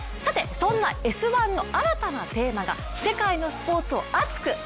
そんな「Ｓ☆１」の新たなテーマが「世界のスポーツを熱く！